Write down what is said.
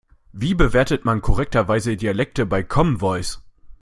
Wie bewertet man korrekterweise Dialekte bei Common Voice?